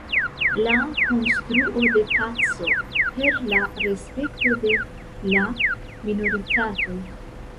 La konstruo de paco per la respekto de la minoritatoj.